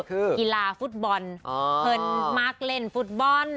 คือกีฬาฟุตบอลเพลินมาร์คเล่นฟุตบอล